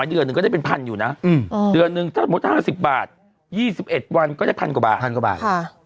น้อยเดือนหนึ่งก็จะเป็นพันอยู่นะเดือนหนึ่งสมมุติ๕๐บาท๒๑วันก็จะพันกว่าบาท